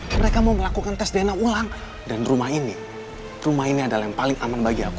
mereka mau melakukan tes dna ulang dan rumah ini rumah ini adalah yang paling aman bagi aku